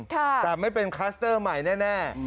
แต่ไม่เป็นคลัสเตอร์ใหม่แน่